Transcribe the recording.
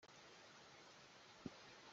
A lung a var ve bantuk in a hrok hrol ve.